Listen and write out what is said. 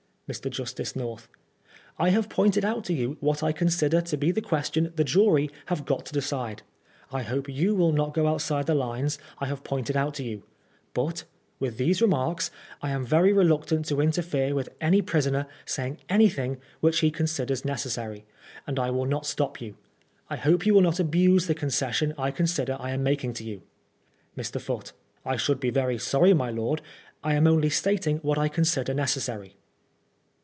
Mr. Justice North : I have pointed out to you what I consider to be the question the jury have got to decide. I hope you will not go outside the lines I have pointed out to you ; but, with these remarks, I am very reluctant to interfere witii any prisoner saying anything which he considers necessary, and I will not stop you. I hope you will not abuse the concession I consider I am making to you. Mr. Foote: I should be very sorry, my lord. I am only stating what I consider necessary.